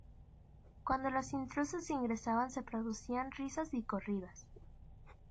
Cuando los intrusos ingresaban se producían risas y corridas.